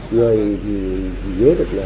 người thì nhớ được là